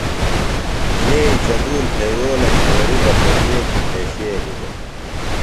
یئ چدُرور گھیوؤلہ چھوریۡ بہ ککویکیۡ بھیشیلیۡ دےۡ۔